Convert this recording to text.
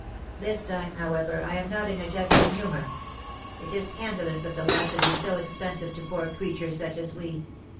"This time, however, I am not in a jesting humour. It is scandalous that the law should be so expensive to poor creatures such as we.